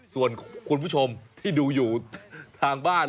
ส่วนคุณผู้ชมที่ดูอยู่ทางบ้าน